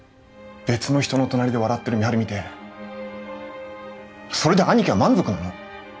別の人の隣で笑ってる美晴見てそれで兄貴は満足なの？